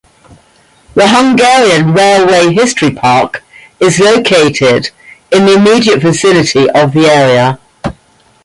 The Hungarian Railway History Park is located in the immediate vicinity of the area.